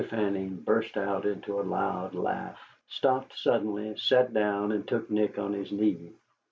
Fanning burst out into a loud laugh, stopped suddenly, sat down, and took Nick on his knee.